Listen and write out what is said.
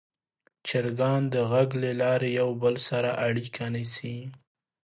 چرګان د غږ له لارې یو بل سره اړیکه نیسي.